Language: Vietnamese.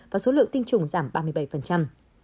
và số lượng tiêm chủng giảm ba mươi năm